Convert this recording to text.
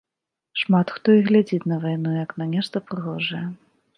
Шмат хто і глядзіць на вайну як на нешта прыгожае.